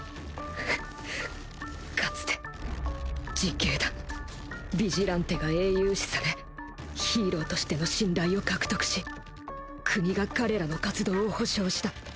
かつて自警団ヴィジランテが英雄視されヒーローとしての信頼を獲得し国が彼らの活動を保障した。